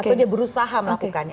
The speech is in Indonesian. atau dia berusaha melakukannya